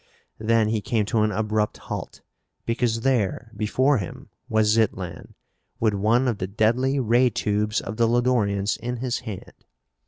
Then he came to an abrupt halt because there, before him, was Zitlan, with one of the deadly ray tubes of the Lodorians in his hand.